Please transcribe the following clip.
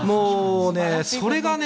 それがね